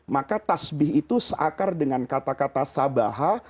maka tasbih itu seakar dengan kata kata sabaha